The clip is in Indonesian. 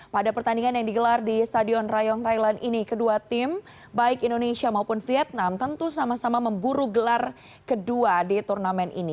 pada pertandingan yang digelar di stadion rayong thailand ini kedua tim baik indonesia maupun vietnam tentu sama sama memburu gelar kedua di turnamen ini